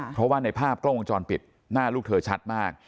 เพราะว่าในภาพกล้องวงจรปิดหน้าลูกเธอชัดมาก